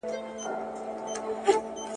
ریښتونولي باید د هر څېړونکي شعار وي.